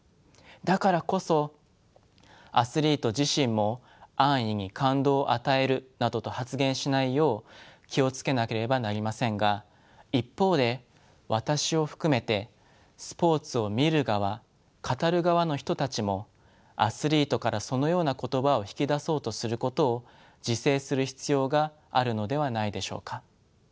だからこそアスリート自身も安易に「感動を与える」などと発言しないよう気を付けなければなりませんが一方で私を含めてスポーツを「見る側」「語る側」の人たちもアスリートからそのような言葉を引き出そうとすることを自制する必要があるのではないでしょうか。